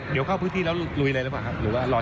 เดี๋ยวเข้าพื้นที่แล้วลุยเลยหรือเปล่าครับหรือว่ารอ